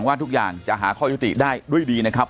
ว่าทุกอย่างจะหาข้อยุติได้ด้วยดีนะครับ